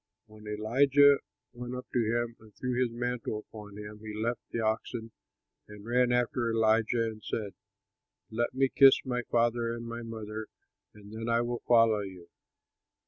When Elijah went up to him and threw his mantle upon him, he left the oxen and ran after Elijah and said, "Let me kiss my father and my mother, and then I will follow you."